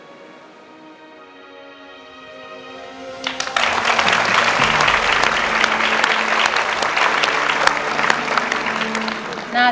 ขอต้อนรับคุณพ่อตั๊กนะครับ